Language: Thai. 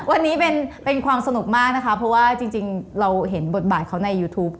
วันนี้เป็นความสนุกมากนะคะเพราะว่าจริงเราเห็นบทบาทเขาในยูทูป